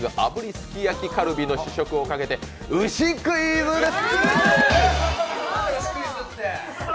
すき焼きカルビの試食をかけて、牛クイズです！